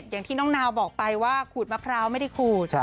อย่างที่น้องนาวบอกไปว่าขูดมะพร้าวไม่ได้ขูด